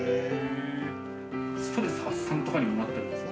ストレス発散とかにもなったりするんですか？